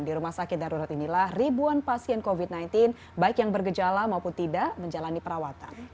di rumah sakit darurat inilah ribuan pasien covid sembilan belas baik yang bergejala maupun tidak menjalani perawatan